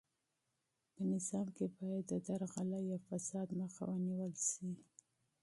په نظام کې باید د درغلۍ او فساد مخه ونیول سي.